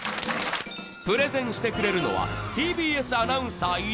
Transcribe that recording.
プレゼンしてくれるのはＴＢＳアナウンサー１